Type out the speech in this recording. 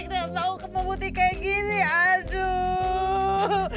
kira kira bau pemuti kayak gini aduh